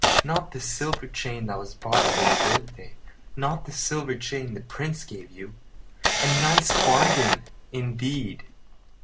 Not the silver chain that was bought for your birthday? Not the silver chain that the Prince gave you? A nice bargain, indeed!